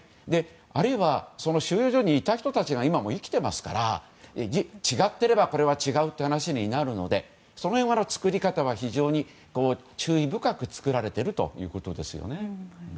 あるいは、収容所にいた人たちが今も生きていますから違っていればこれは違うっていう話になるのでその辺の作り方は非常に注意深く作られているということです。